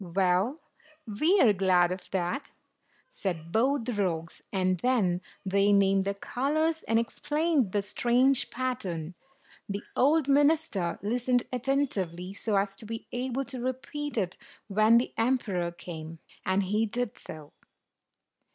"Well, we are glad of that," said both the rogues; and then they named the colors, and explained the strange pattern. The old minister listened attentively, so as to be able to repeat it when the emperor came. And he did so.